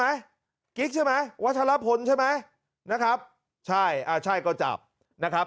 กิ๊กใช่ไหมวัชลพลใช่ไหมนะครับใช่อ่าใช่ก็จับนะครับ